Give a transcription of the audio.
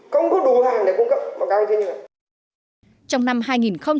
không có đủ hàng để cung cấp báo cáo như thế này